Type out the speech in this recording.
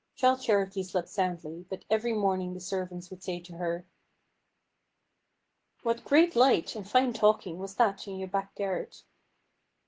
Childe Charity slept soundly, but every morning the servants would say to her: "What great light and fine talking was that in your back garret?"